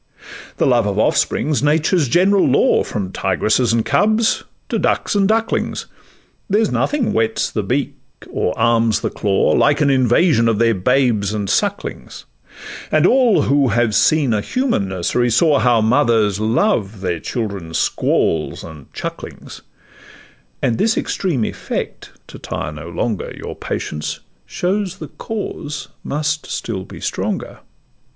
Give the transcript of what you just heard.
The love of offspring 's nature's general law, From tigresses and cubs to ducks and ducklings; There's nothing whets the beak, or arms the claw Like an invasion of their babes and sucklings; And all who have seen a human nursery, saw How mothers love their children's squalls and chucklings; This strong extreme effect (to tire no longer Your patience) shows the cause must still be stronger.